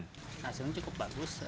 hasilnya cukup bagus